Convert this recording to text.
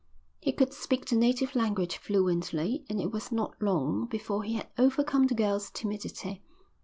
He could speak the native language fluently and it was not long before he had overcome the girl's timidity.